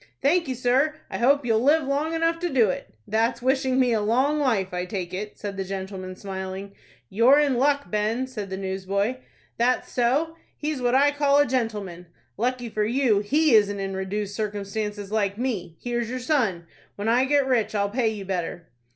"Thank you, sir. I hope you'll live long enough to do it." "That's wishing me a long life, I take it," said the gentleman, smiling. "You're in luck, Ben," said the newsboy. "That's so. He's what I call a gentleman." "Lucky for you he isn't in reduced circumstances like me. Here's your 'Sun.' When I get rich I'll pay you better."